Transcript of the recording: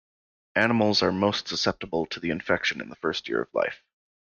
Animals are most susceptible to the infection in the first year of life.